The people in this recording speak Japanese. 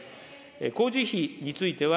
工事費については、